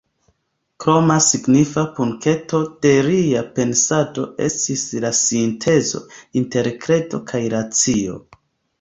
Kroma signifa punkto de lia pensado estis la sintezo inter kredo kaj racio.